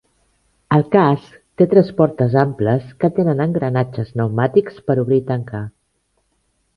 El casc té tres portes amples que tenen engranatges pneumàtics per obrir i tancar.